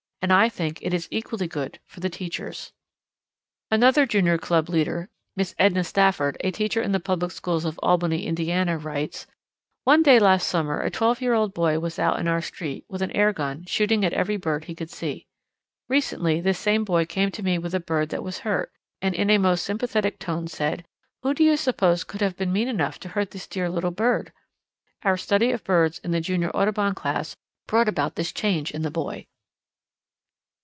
And I think it is equally good for the teachers." Another Junior Club leader, Miss Edna Stafford, a teacher in the public schools of Albany, Indiana, writes: "One day last summer a twelve year old boy was out in our street with an airgun shooting at every bird he could see. Recently this same boy came to me with a bird that was hurt, and in a most sympathetic tone said: 'Who do you suppose could have been mean enough to hurt this dear little bird?' Our study of birds in the Junior Audubon Class brought about this change in the boy."